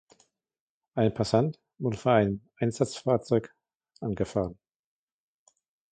Ein Passant wurde von einem Einsatzfahrzeug angefahren.